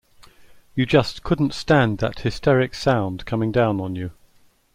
You just couldn't stand that hysteric sound coming down on you.